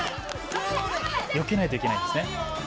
よけないといけないんですね。